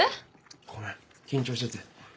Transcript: ごめん緊張してて。